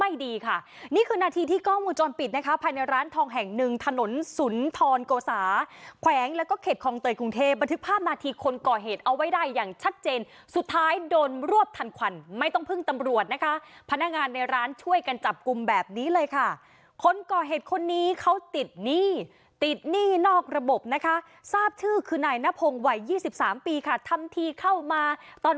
อัศวินาทีที่ก้องมูลจอดปิดในร้านทองแห่ง๑ถนนศูนย์ทรโกสาแขวงเข็ดคลองเตยกรุงเทบันทึกภาพหน้าที่คนก่อเหตุเอาไว้ได้อย่างชัดเจนสุดท้ายโดนรวบทันควันไม่ต้องพึ่งตำรวจนะคะพนักงานในร้านช่วยกันจับกลุ่มแบบนี้เลยค่ะ